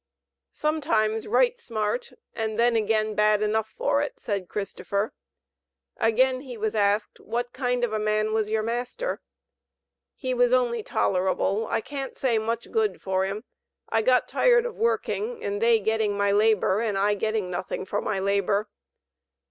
"Sometimes right smart, and then again bad enough for it," said Christopher. Again he was asked, "What kind of a man was your master?" "He was only tolerable, I can't say much good for him. I got tired of working and they getting my labor and I getting nothing for my labor."